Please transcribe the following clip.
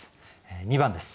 ２番です。